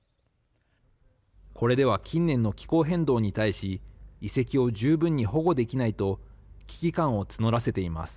これでは、近年の気候変動に対し遺跡を十分に保護できないと危機感を募らせています。